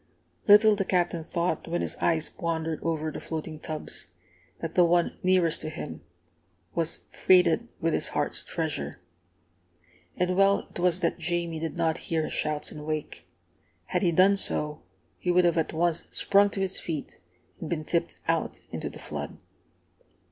Little the Captain thought, when his eyes wandered over the floating tubs, that the one nearest to him was freighted with his heart's treasure! And well it was that Jamie did not hear his shouts and wake! Had he done so, he would have at once sprung to his feet and been tipped out into the flood.